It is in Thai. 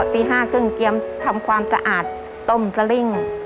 ตี๕ครึ่งเกี่ยวทำความสะอาดต้มสลิ้ง